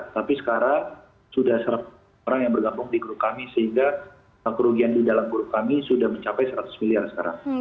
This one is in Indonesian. tapi sekarang sudah seratus orang yang bergabung di grup kami sehingga kerugian di dalam grup kami sudah mencapai seratus miliar sekarang